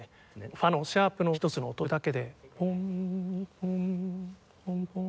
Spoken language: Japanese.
ファのシャープの１つの音だけでポンポン